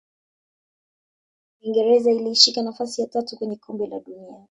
uingereza ilishika nafasi ya tatu kwenye kombe la dunia